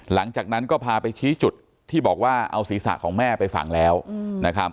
หลังจากนั้นก็พาไปชี้จุดที่บอกว่าเอาศีรษะของแม่ไปฝังแล้วนะครับ